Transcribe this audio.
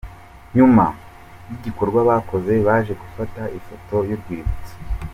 Nyuma y'igikorwa bakoze, baje gufata ifoto y'urwibutso.